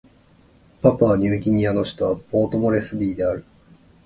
パプアニューギニアの首都はポートモレスビーである